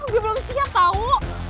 gue belum siap tau